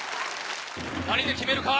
何で決めるか？